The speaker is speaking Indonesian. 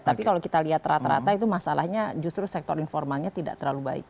tapi kalau kita lihat rata rata itu masalahnya justru sektor informalnya tidak terlalu baik